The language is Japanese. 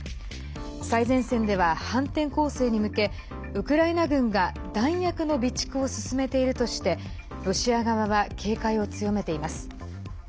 最前線では反転攻勢に向けウクライナ軍が弾薬の備蓄を進めているとしてロシア側は警戒を強めています。